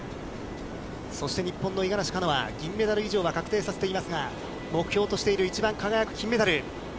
そして日本の五十嵐カノア、銀メダル以上は確定させていますが、目標としている一番輝く金メダル。